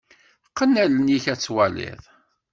Qqen allen-ik ad twaliḍ.